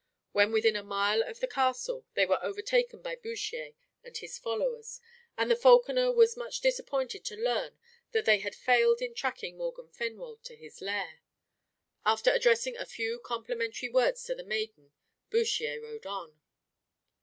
When within a mile of the castle they were overtaken by Bouchier and his followers, and the falconer was much disappointed to learn that they had failed in tracking Morgan Fenwolf to his lair. After addressing a few complimentary words to the maiden, Bouchier rode on.